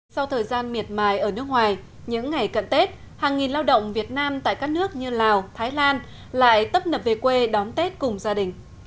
sau thời gian miệt mài ở nước ngoài những ngày cận tết hàng nghìn lao động việt nam tại các nước như lào thái lan lại tấp nập về quê đón tết cùng gia đình